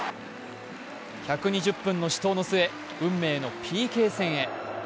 １２０分の死闘の末運命のＰＫ戦へ。